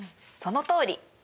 そのとおり。